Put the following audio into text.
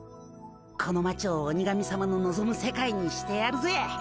この町を鬼神さまののぞむ世界にしてやるぜ。